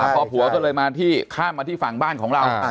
พอผัวก็เลยมาที่ข้ามมาที่ฝั่งบ้านของเรา